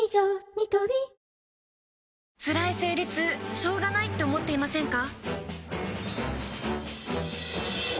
ニトリつらい生理痛しょうがないって思っていませんか？